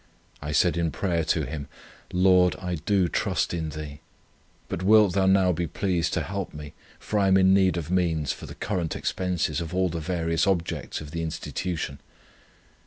I said in prayer to Him: 'Lord, I do trust in Thee; but wilt Thou now be pleased to help me; for I am in need of means for the current expenses of all the various objects of the Institution.'